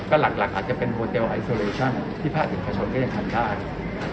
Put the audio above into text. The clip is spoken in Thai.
ก็หลักหลักอาจจะเป็นที่ผ้าจริงประชาชนก็ยังทันได้นะครับ